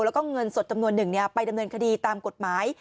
แล้วก็เงินสดจำนวนหนึ่งไปดำเนินคดีตามกฎหมาย